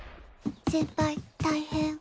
先輩大変。